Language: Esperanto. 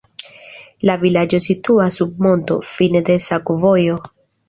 La vilaĝo situas sub monto, fine de sakovojo.